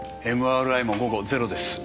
ＭＲＩも午後ゼロです。